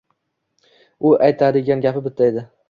U aytadigan gapi bitta edi